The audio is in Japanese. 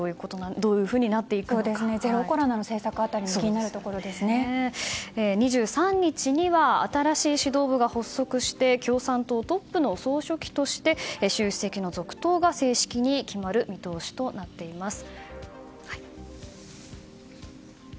ゼロコロナの政策も２３日には新しい指導部が発足して、共産党トップの総書記として習主席の続投が正式に決まる見通しとなっています。